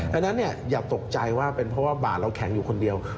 ดังนั้นอย่าตกใจว่าเป็นเพราะว่าบาดเราแข็งอยู่คนเดียว